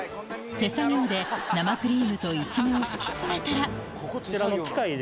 手作業で生クリームとイチゴを敷き詰めたらこちらの機械で。